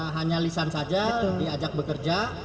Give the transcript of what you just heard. hanya lisan saja diajak bekerja